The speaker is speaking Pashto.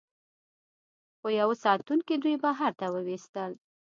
خو یوه ساتونکي دوی بهر ته وویستل